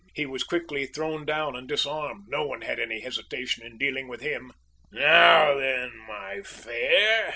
He was quickly thrown down and disarmed no one had any hesitation in dealing with him. "Now then, my fair!"